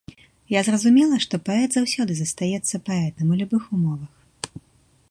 Я зразумела, што паэт заўсёды застаецца паэтам, у любых умовах.